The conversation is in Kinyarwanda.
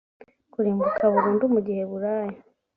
kurimbuka burundu mu giheburayo